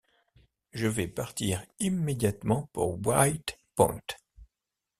Je vais partir immédiatement pour White-Point.